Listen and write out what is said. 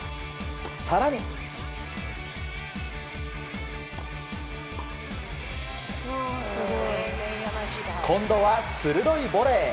更に、今度は鋭いボレー。